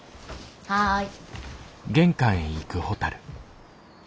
はい。